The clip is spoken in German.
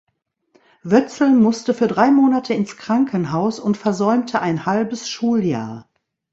Wötzel musste für drei Monate ins Krankenhaus und versäumte ein halbes Schuljahr.